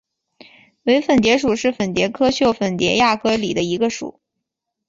伪粉蝶属是粉蝶科袖粉蝶亚科里的一个属。